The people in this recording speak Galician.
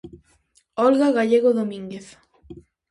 Olga Gallego Domínguez.